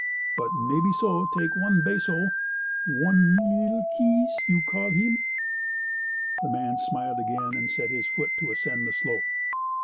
But maybeso take one beso—one li'l kees, you call him." The man smiled again, and set his foot to ascend the slope.